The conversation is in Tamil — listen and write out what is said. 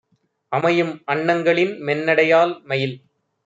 அமையும்அன் னங்களின் மென்னடையால் - மயில்